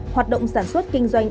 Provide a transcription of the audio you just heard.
hoạt động sản xuất kinh doanh